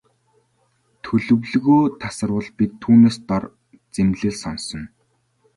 Төлөвлөгөө тасалбал бид түүнээс дор зэмлэл сонсоно.